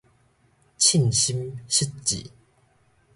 凊心失志